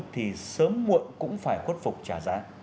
thì sớm muộn cũng phải khuất phục trả giá